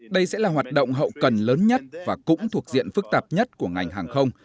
đây sẽ là hoạt động hậu cần lớn nhất và cũng thuộc diện phức tạp nhất của ngành hàng không